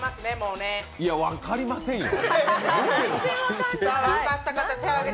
いや、分かりませんよ。